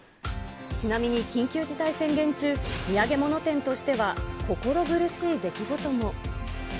ちなみに緊急事態宣言中、土産物店としては心苦しい出来事も。